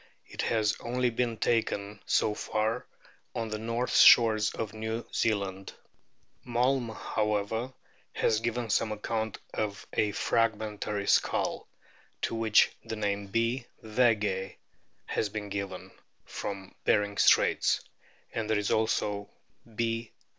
It has only been taken, so far, on the shores of New Zealand. Malm, however,* has given some account of a fragmentary skull, to which the name B. veg<z has been given, from Behring's Straits, and there is also B.